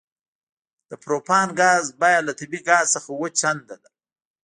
د پروپان ګاز بیه له طبیعي ګاز څخه اوه چنده ده